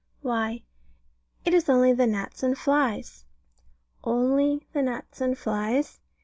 Why, it is only the gnats and flies. Only the gnats and flies?